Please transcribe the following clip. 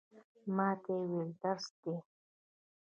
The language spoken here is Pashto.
ما ته یې وویل، درس دی.